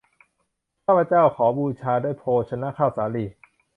ข้าพเจ้าขอบูชาด้วยโภชนะข้าวสาลี